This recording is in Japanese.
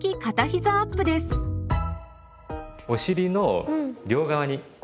お尻の両側にね